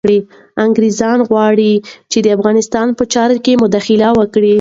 انګریزان غواړي چي د افغانستان په چارو کي مداخله وکړي.